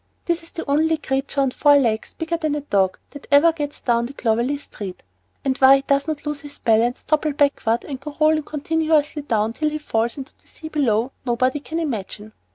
This is the only creature with four legs, bigger than a dog, that ever gets down the Clovelly street; and why he does not lose his balance, topple backward, and go rolling continuously down till he falls into the sea below, nobody can imagine.